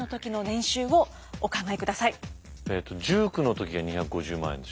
えと１９の時が２５０万円でしょ？